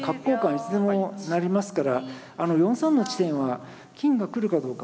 いつでもなりますからあの４三の地点は金が来るかどうか。